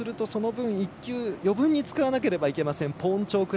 そうすると、その分余分に使わなければいけません。